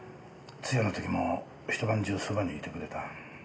通夜の時も一晩中側にいてくれた。